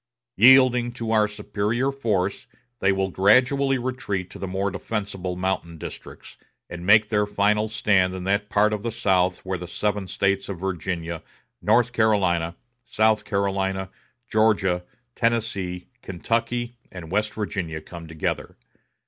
Yielding to our superior force, they will gradually retreat to the more defensible mountain districts, and make their final stand in that part of the South where the seven States of Virginia, North Carolina, South Carolina, Georgia, Tennessee, Kentucky, and West Virginia come together.